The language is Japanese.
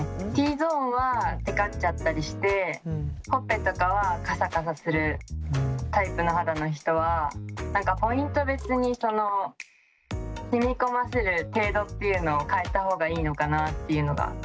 Ｔゾーンはテカっちゃったりしてほっぺとかはカサカサするタイプの肌の人はポイント別に染み込ませる程度っていうのを変えた方がいいのかなっていうのが。